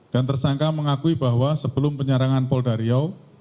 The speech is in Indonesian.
dan tersangka mengakui bahwa sebelum penyerangan pol dariau